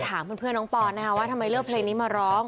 ถามเพื่อนน้องปอนนะคะว่าทำไมเลือกเพลงนี้มาร้อง